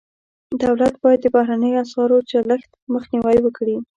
دولت باید د بهرنیو اسعارو چلښت مخنیوی وکړي.